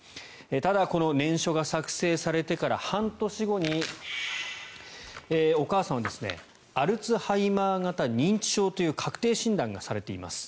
ただこの念書が作成されてから半年後にお母さんはアルツハイマー型認知症という確定診断がされています。